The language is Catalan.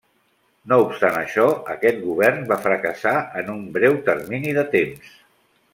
No obstant això, aquest govern va fracassar en un breu termini de temps.